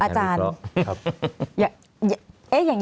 อาจารย์